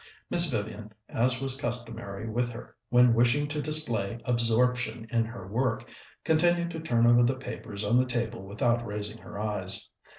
Miss Vivian, as was customary with her when wishing to display absorption in her work, continued to turn over the papers on the table without raising her eyes.